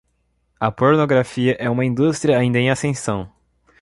A pornografia é uma indústria ainda em ascensão